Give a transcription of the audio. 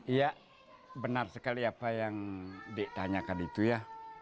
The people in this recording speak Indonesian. iya benar sekali apa yang di tanyakan itu ya